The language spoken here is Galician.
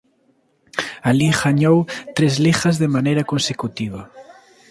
Alí gañou tres ligas de maneira consecutiva.